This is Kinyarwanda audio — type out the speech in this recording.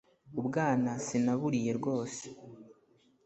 Ubwana sinaburiye rwose